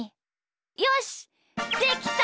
よしできた！